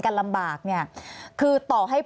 อันดับที่สุดท้าย